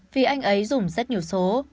vì anh ấy dùng rất nhiều số